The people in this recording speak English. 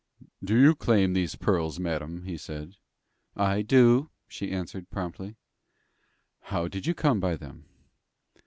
"Do you claim these pearls, madam?" he said. "I do," she answered, promptly. "How did you come by them?"